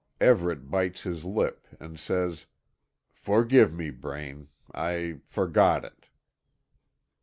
Everet bites his lip, and says: "Forgive me, Braine. I forgot it."